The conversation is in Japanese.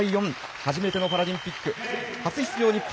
初めてのパラリンピック初出場日本